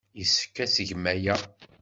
Yessefk ad tgem aya.